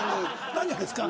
何をですか？